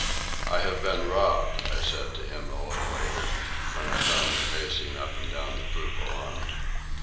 "I have been robbed," I said to him, a little later, when I found him pacing up and down the poop alone.